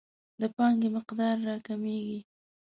د پانګې مقدار راکمیږي.